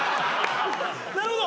なるほど。